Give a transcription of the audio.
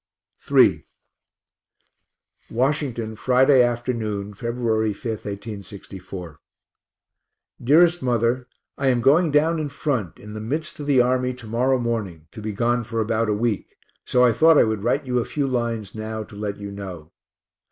III Washington, Friday afternoon, Feb. 5, 1864. DEAREST MOTHER I am going down in front, in the midst of the army, to morrow morning, to be gone for about a week so I thought I would write you a few lines now, to let you know.